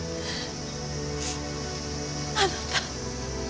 あなた。